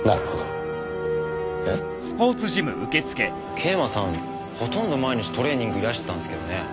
桂馬さんほとんど毎日トレーニングいらしてたんですけどね。